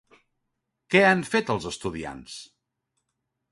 Què han fet els estudiants?